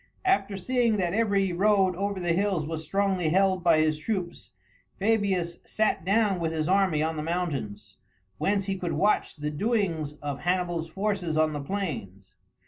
After seeing that every road over the hills was strongly held by his troops, Fabius sat down with his army on the mountains, whence he could watch the doings of Hannibal's force on the plains.